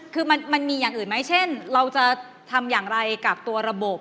คือมันมีอย่างอื่นไหมเช่นเราจะทำอย่างไรกับตัวระบบ